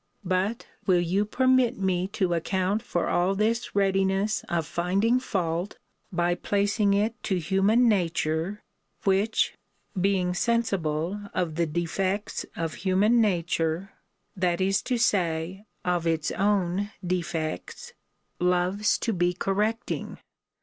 But will you permit me to account for all this readiness of finding fault, by placing it to human nature, which, being sensible of the defects of human nature, (that is to say, of its own defects,) loves to be correcting?